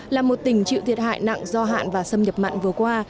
là một tỉnh chịu thiệt hại nặng do hạn và xâm nhập mặn vừa qua